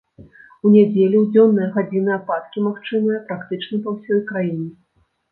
У нядзелю ў дзённыя гадзіны ападкі магчымыя практычна па ўсёй краіне.